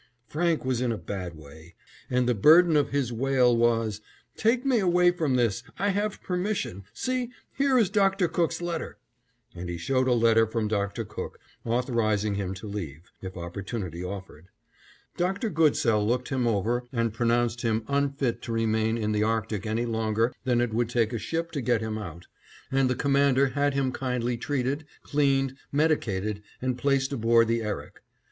Franke was in a bad way, and the burden of his wail was, "Take me away from this, I have permission, see, here is Dr. Cook's letter," and he showed a letter from Dr. Cook, authorizing him to leave, if opportunity offered. Dr. Goodsell looked him over and pronounced him unfit to remain in the Arctic any longer than it would take a ship to get him out, and the Commander had him kindly treated, cleaned, medicated, and placed aboard the Erik.